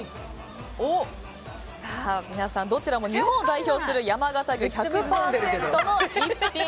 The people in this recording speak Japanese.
皆さんどちらも日本を代表する山形牛１００％の逸品。